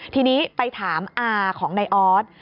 ทีนี้ไปถามอาของนายออส